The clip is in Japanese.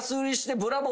ブラボー！